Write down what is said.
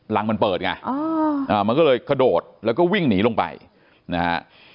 หลังมันเปิดไงมันก็เลยกระโดดแล้วก็วิ่งหนีลงไปนะฮะ